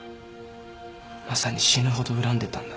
まさに死ぬほど恨んでたんだ。